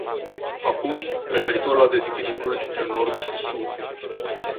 Acum, referitor la dezechilibrul dintre nord și sud.